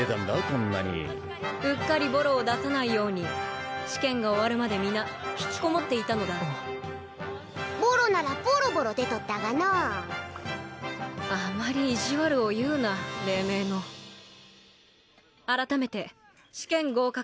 こんなにうっかりボロを出さないように試験が終わるまで皆引きこもっていたのだボロならボロボロ出とったがのうあまり意地悪を言うな黎明の改めて試験合格